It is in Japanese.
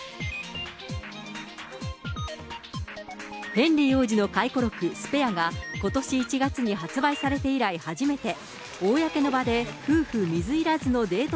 ヘンリー王子の回顧録、スペアが、ことし１月に発売されて以来初めて公の場で、夫婦水入らずでデート